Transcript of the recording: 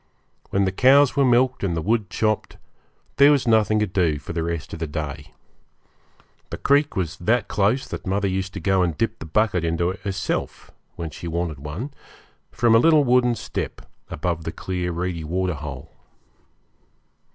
When the cows were milked and the wood chopped, there was nothing to do for the rest of the day. The creek was that close that mother used to go and dip the bucket into it herself, when she wanted one, from a little wooden step above the clear reedy waterhole.